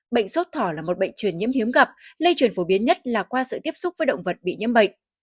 bệnh sốt thỏ là một bệnh truyền nhiễm hiếm gặp lây truyền phổ biến nhất là qua sự tiếp xúc với động vật bị nhiễm bệnh